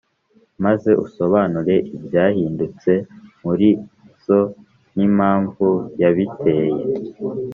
maze usobanure ibyahindutse muri zo n’impamvu yabiteye.